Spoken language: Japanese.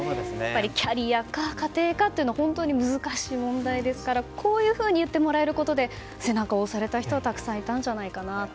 キャリアか、家庭かというのは本当に難しい問題ですからこういうふうに言ってもらえることで背中を押された人はたくさんいたんじゃないかなと。